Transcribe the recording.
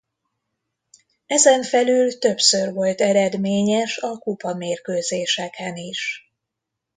Ezen felül többször volt eredményes a kupa-mérkőzéseken is.